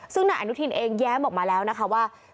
ซึ่งนายอนุทินเองแย้มออกมาแล้วนะคะว่า